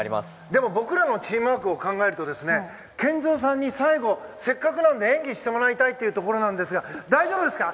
でも、僕らのチームワークを考えるとですね健三さんに最後、せっかくなので演技してもらいたいところですが大丈夫ですか？